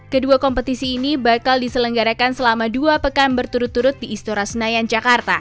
kedua kompetisi ini bakal diselenggarakan selama dua pekan berturut turut di istora senayan jakarta